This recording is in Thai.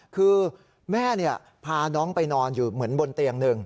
คือแม่พาน้องไปนอนอยู่เหมือนบนเตียงหนึ่ง